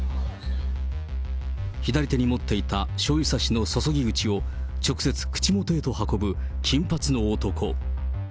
左手に持っていたしょうゆ差しの注ぎ口を、直接口元へと運ぶ金髪の男。